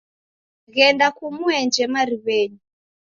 Ghenda kumuenje mariw'enyi.